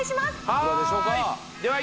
いくらでしょうか？